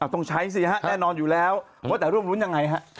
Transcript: ต้องใช้สิฮะแน่นอนอยู่แล้วว่าแต่ร่วมรุ้นยังไงฮะ